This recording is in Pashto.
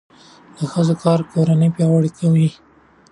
د ښځو کار کورنۍ پیاوړې کوي.